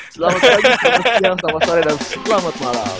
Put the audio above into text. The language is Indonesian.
selamat siang selamat sore dan selamat malam